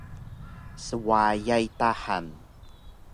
Swayay ta han!